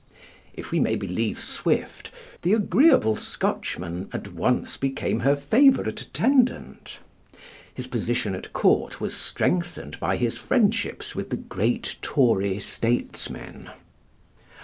If we may believe Swift, the agreeable Scotchman at once became her favorite attendant. His position at court was strengthened by his friendships with the great Tory statesmen.